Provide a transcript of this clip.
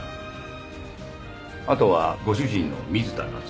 あとはご主人の水田夏雄さん。